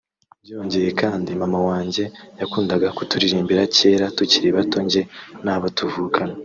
Byongeye kandi mama wanjye yakundaga kuturirimbira cyera tucyiri bato (njye n’abo tuvukana)